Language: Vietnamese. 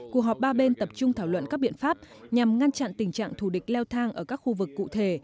cuộc họp ba bên tập trung thảo luận các biện pháp nhằm ngăn chặn tình trạng thù địch leo thang ở các khu vực cụ thể